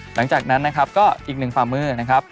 หลังจากนั้นนะครับก็อีกหนึ่งฝ่ามือนะครับ